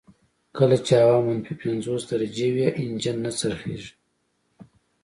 کله چې هوا منفي پنځوس درجې وي انجن نه څرخیږي